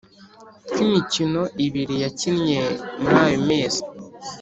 tw’imikino ibiri yakinye muri ayo mezi